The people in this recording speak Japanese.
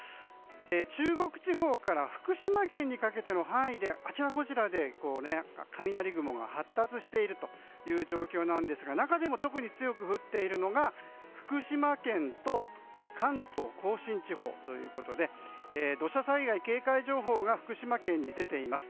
中国地方から福島県にかけての範囲であちらこちらで雷雲が発達している状況ですが中でも特に強く降っているのが福島県と関東・甲信地方ということで土砂災害警戒情報が福島県に出ています。